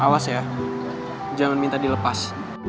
awas ya jangan minta dilepas